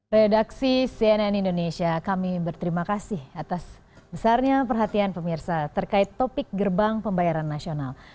redaksi cnn indonesia kami berterima kasih atas besarnya perhatian pemirsa terkait topik gerbang pembayaran nasional